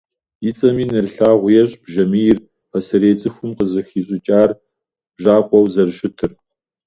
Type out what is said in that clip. И цӀэми нэрылъагъу ещӀ бжьамийр пасэрей цӀыхум къызыхищӀыкӀар бжьакъуэу зэрыщытыр.